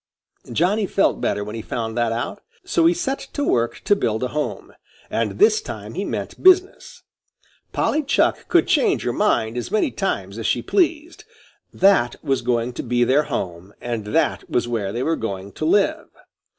Johnny felt better when he found that out. So he set to work to build a home, and this time he meant business. Polly Chuck could change her mind as many times as she pleased; that was going to be their home and that was where they were going to live.